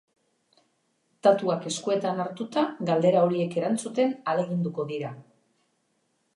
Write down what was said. Datuak eskuetan hartuta, galdera horiek erantzuten ahaleginduko dira.